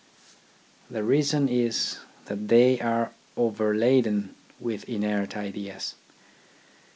The reason is, that they are overladen with inert ideas.